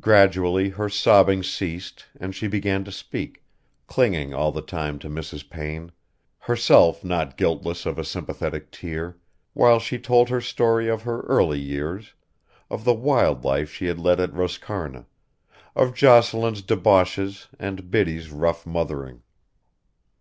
Gradually her sobbing ceased and she began to speak, clinging all the time to Mrs. Payne, herself not guiltless of a sympathetic tear, while she told her the story of her early years: of the wild life she had led at Roscarna, of Jocelyn's debauches and Biddy's rough mothering.